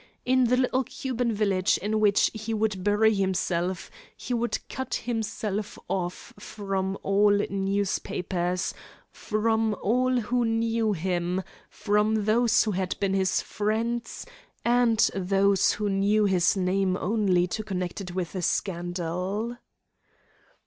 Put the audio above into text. In the little Cuban village in which he would bury himself he would cut himself off from all newspapers, from all who knew him; from those who had been his friends, and those who knew his name only to connect it with a scandal.